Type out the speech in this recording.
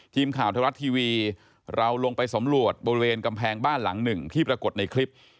ทีมข่าวไทยรัฐทีวีเราลงไปสำรวจบริเวณกำแพงบ้านหลังหนึ่งที่ปรากฏในคลิป